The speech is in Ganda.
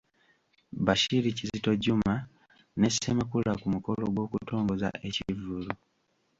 Bashir Kizito Juma ne Ssemakula ku mukolo gw’okutongoza ekivvulu.